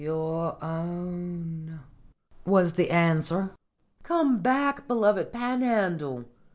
"Your own!" was the answer. "Come back, beloved Panhandle!"